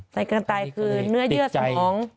ใส่เกินตายคือเนื้อเยื่อสมอง